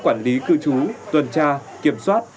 quản lý cư trú tuần tra kiểm soát